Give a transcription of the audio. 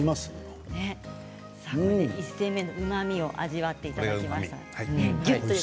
１煎目うまみを味わっていただきました。